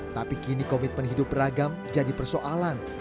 tapi kini komitmen hidup beragam jadi persoalan